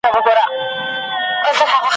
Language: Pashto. ملاجان ته خدای ورکړي نن د حورو قافلې دي `